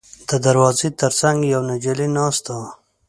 د دروازې تر څنګ یوه نجلۍ ناسته وه.